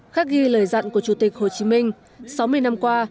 khác ghi lời dặn của chủ tịch hồ chí minh sáu mươi năm qua